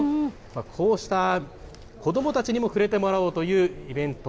こうした子どもたちにも触れてもらおうというイベント。